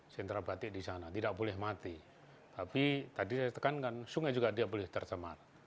sentra batik di sana tidak boleh mati tapi tadi saya tekankan sungai juga tidak boleh tercemar